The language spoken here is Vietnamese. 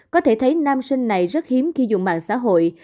có thể thấy nam sinh này rất hiếm khi dùng mạng xã hội